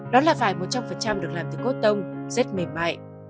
đó là vải một trăm linh được làm từ cốt tông rất mềm mại